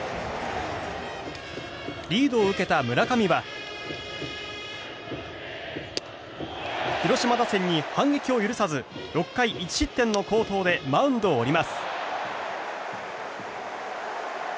リードを受けた村上は広島打線に反撃を許さず６回１失点の好投でマウンドを降ります。